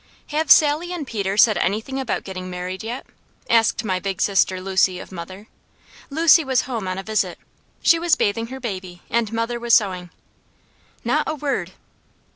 "Have Sally and Peter said anything about getting married yet?" asked my big sister Lucy of mother. Lucy was home on a visit. She was bathing her baby and mother was sewing. "Not a word!"